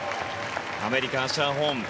アメリカアッシャー・ホン。